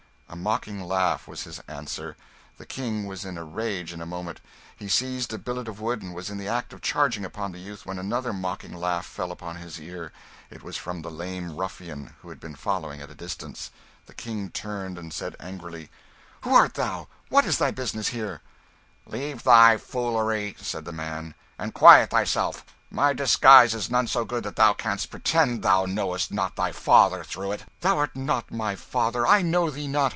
A mocking laugh was his answer. The King was in a rage in a moment; he seized a billet of wood and was in the act of charging upon the youth when another mocking laugh fell upon his ear. It was from the lame ruffian who had been following at a distance. The King turned and said angrily "Who art thou? What is thy business here?" "Leave thy foolery," said the man, "and quiet thyself. My disguise is none so good that thou canst pretend thou knowest not thy father through it." "Thou art not my father. I know thee not.